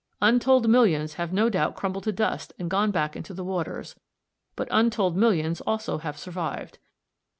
Untold millions have no doubt crumbled to dust and gone back into the waters, but untold millions also have survived.